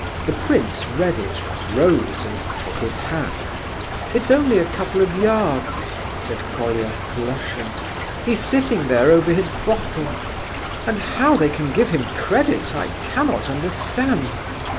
The prince read it, rose, and took his hat. "It's only a couple of yards," said Colia, blushing. "He's sitting there over his bottle—and how they can give him credit, I cannot understand.